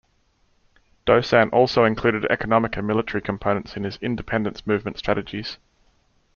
Dosan also included economic and military components in his independence movement strategies.